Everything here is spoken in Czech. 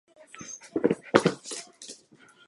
Příště se, prosím, nezapomeňte zaregistrovat.